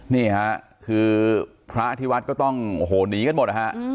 นี่ค่ะพระอธิวัตรก็ต้องหนีกันหมด